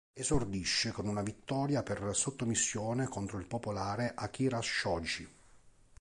Esordisce con una vittoria per sottomissione contro il popolare Akira Shoji.